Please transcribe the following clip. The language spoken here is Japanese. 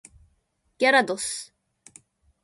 ギャラドス